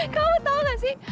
kamu tau gak sih